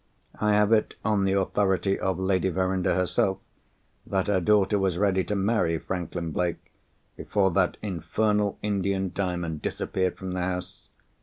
I have it on the authority of Lady Verinder herself, that her daughter was ready to marry Franklin Blake, before that infernal Indian Diamond disappeared from the house.